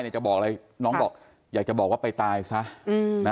จะบอกอะไรน้องบอกอยากจะบอกว่าไปตายซะ